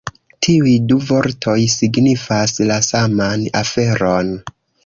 Tiuj du vortoj signifas la saman aferon!